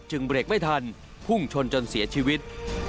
เบรกไม่ทันพุ่งชนจนเสียชีวิต